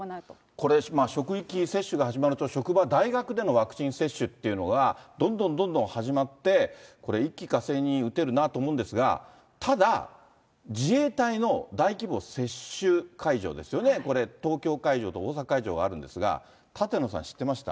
これ、職域接種が始まると、職場、大学でのワクチン接種っていうのがどんどんどんどん始まって、これ、一気かせいに打てるなと思うんですが、ただ、自衛隊の大規模接種会場ですよね、これ、東京会場と大阪会場があるんですが、舘野さん、知ってました？